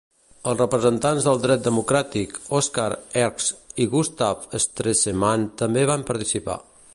Els representants del dret democràtic, Oskar Hergt i Gustav Stresemann també van participar.